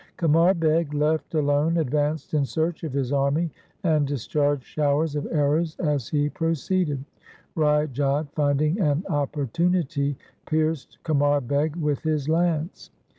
Qamar Beg left alone advanced in search of his army, and dis charged showers of arrows as he proceeded. Rai Jodh finding an opportunity pierced Qamar Beg with his lance.